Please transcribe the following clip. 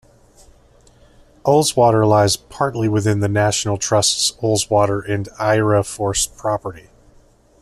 Ullswater lies partly within the National Trust's Ullswater and Aira Force property.